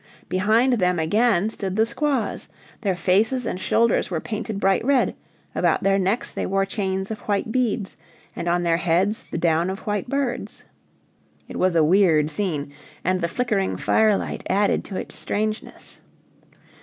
Behind them again stood the squaws. Their faces and shoulders were painted bright red, about their necks they wore chains of white beads, and on their heads the down of white birds. It was a weird scene, and the flickering firelight added to its strangeness.